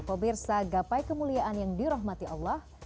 pemirsa gapai kemuliaan yang dirahmati allah